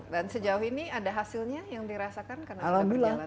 dan sejauh ini ada hasilnya yang dirasakan karena sudah berjalan dua tahun